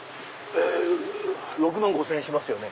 ６万５０００円しますよね。